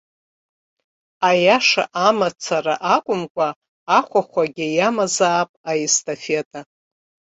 Аиаша амацара акәымкәа, ахәахәагьы иамазаап аестафета.